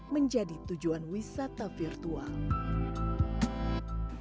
menjadi tujuan wisata virtual